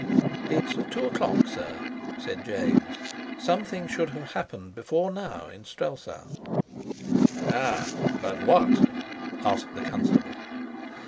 "It's two o'clock, sir," said James. "Something should have happened before now in Strelsau." "Ah, but what?" asked the constable.